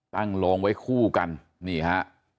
โลงไว้คู่กันนี่ฮะ